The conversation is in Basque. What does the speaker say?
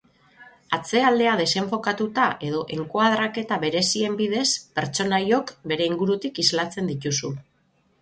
Atzealdea desenfokatuta edo enkoadraketa berezien bidez, pertsonaiok beren ingurutik islatzen dituzu.